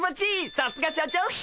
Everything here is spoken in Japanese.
さすが社長っす！